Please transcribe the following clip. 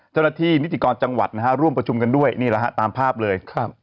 นิติกรจังหวัดนะฮะร่วมประชุมกันด้วยนี่แหละฮะตามภาพเลยครับ